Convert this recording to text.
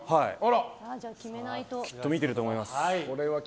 きっと見てると思います。